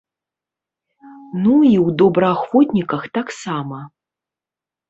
Ну, і ў добраахвотніках таксама.